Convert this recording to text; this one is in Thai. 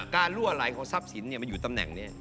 ลั่วไหลของทรัพย์สินมาอยู่ตำแหน่งนี้